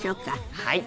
はい。